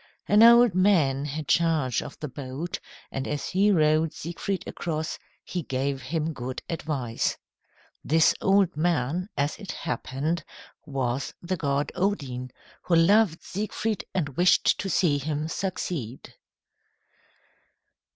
An old man had charge of the boat, and as he rowed Siegfried across, he gave him good advice. This old man, as it happened, was the god Odin, who loved Siegfried and wished to see him succeed.